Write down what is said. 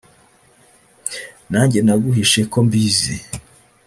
nanjye naguhishe ko mbizi